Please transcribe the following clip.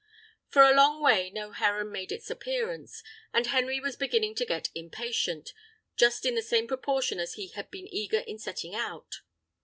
For a long way no heron made its appearance; and Henry was beginning to get impatient, just in the same proportion as he had been eager in setting out.